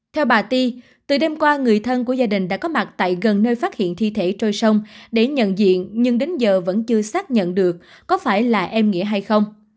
theo bà ti từ đêm qua người thân của gia đình đã có mặt tại gần nơi phát hiện thi thể trôi sông để nhận diện nhưng đến giờ vẫn chưa xác nhận được có phải là em nghĩa hay không